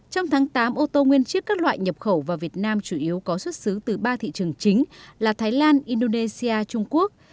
trong tháng tám ô tô nguyên chiếc các loại nhập khẩu vào việt nam chủ yếu có xuất xứ từ ba thị trường chính là thái lan indonesia trung quốc